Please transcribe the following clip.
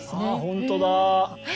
ああほんとだ！